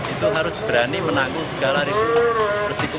itu harus berani menanggung segala risiko